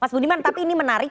mas budiman tapi ini menarik